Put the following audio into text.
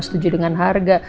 setuju dengan harga